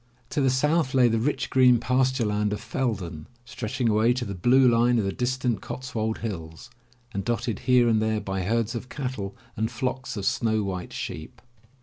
To the south lay the rich green pasture land of Feldon, stretching away to the blue line of the distant Cotswold hills, and dotted here and there by herds of cattle and flocks of snow white sheep.